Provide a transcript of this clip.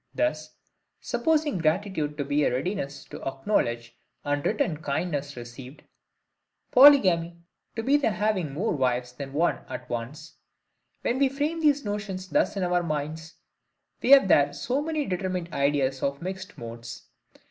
Thus, supposing gratitude to be a readiness to acknowledge and return kindness received; polygamy to be the having more wives than one at once: when we frame these notions thus in our minds, we have there so many determined ideas of mixed modes.